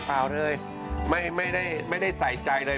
เปล่าเลยไม่ได้ใส่ใจเลย